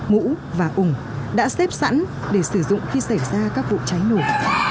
mũ và ủng đã xếp sẵn để sử dụng khi xảy ra các vụ cháy nổ